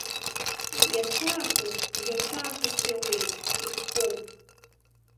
Иацаахыс, жәацаахыс иауеит, ихкәом.